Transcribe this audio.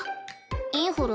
インフル？